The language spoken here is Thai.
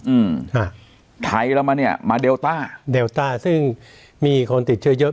อืมอ่าไทยเรามาเนี้ยมาเดลต้าเดลต้าซึ่งมีคนติดเชื้อเยอะ